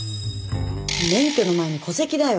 免許の前に戸籍だよ。